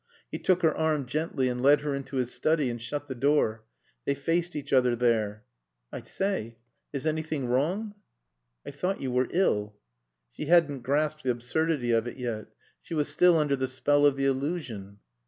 He took her arm gently and led her into his study and shut the door. They faced each other there. "I say is anything wrong?" "I thought you were ill." She hadn't grasped the absurdity of it yet. She was still under the spell of the illusion.